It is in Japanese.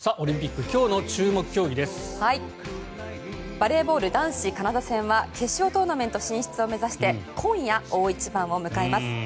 バレーボール男子カナダ戦は決勝トーナメント進出を目指して今夜大一番を迎えます。